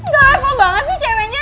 gak leper banget sih ceweknya